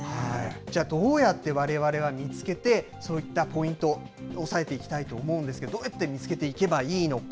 じゃあどうやってわれわれは見つけて、そういったポイント、抑えていきたいと思うんですが、どうやって見つけていけばいいのか。